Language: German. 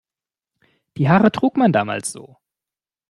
Die Haare trug man damals so.